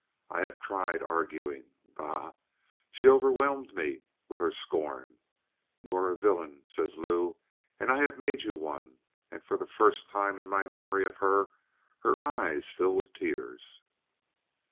I have tried arguing. Bah! she overwhelmed me with her scorn. You are a villain, says Lou, and I have made you one. And for the first time in my memory of her, her eyes fill with tears."